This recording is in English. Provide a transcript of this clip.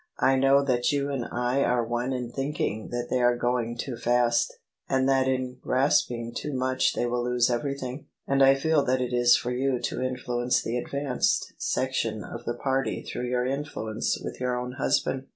I know that you and I are one in thinking that they are going too fast, and that in grasping too much they will lose everything: and I feel that it is for you to influence the advanced section of the party through your influence with your own husband.